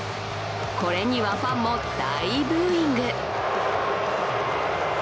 これにはファンも大ブーイング。